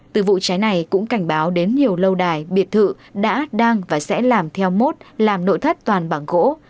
từ vụ cháy này cũng cảnh báo đến nhiều lâu đài biệt thự đã đang và sẽ làm theo mốt làm nội thất toàn bằng gỗ